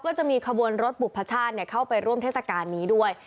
เขาจะมีการจัดขบวนรถปู่ผชาสเนี่ยเข้าไปร่วมเทศการนี้ด้วย